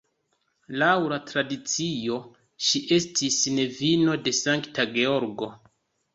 Laŭ la tradicio ŝi estis nevino de Sankta Georgo.